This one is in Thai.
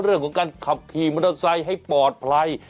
เรื่องของการขับขี่มอเตอร์ไซค์ให้ปลอดภัย